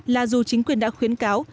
là dù chính quyền đã khuyến cáo